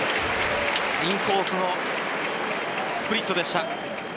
インコースのスプリットでした。